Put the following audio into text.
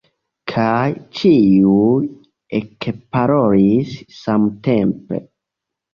Kaj ĉiuj ekparolis samtempe.